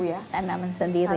iya di tanaman sendiri